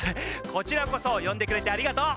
こちらこそよんでくれてありがとう。